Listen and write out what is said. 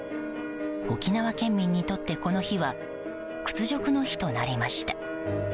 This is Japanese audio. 沖縄県民にとって、この日は屈辱の日となりました。